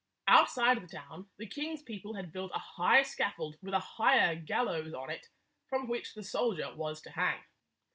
172 i73 Outside the town, the king's people had built a high scaffold with a higher gallows on it, from which the soldier was to hang.